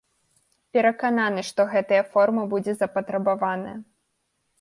Перакананы, што гэтая форма будзе запатрабаваная.